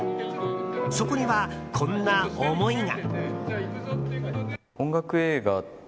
そこには、こんな思いが。